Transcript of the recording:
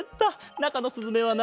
なかのすずめはな